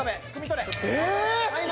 え